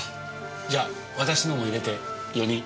じゃあ私のも入れて４人。